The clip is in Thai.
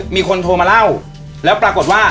มีคนโทรมาเล่าแล้วปรากฏว่า